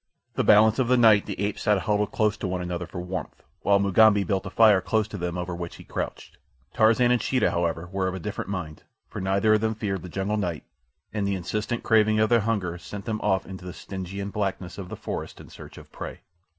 The balance of the night the apes sat huddled close to one another for warmth; while Mugambi built a fire close to them over which he crouched. Tarzan and Sheeta, however, were of a different mind, for neither of them feared the jungle night, and the insistent craving of their hunger sent them off into the Stygian blackness of the forest in search of prey.